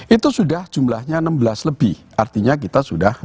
itu sudah jumlahnya enam belas lebih artinya kita sudah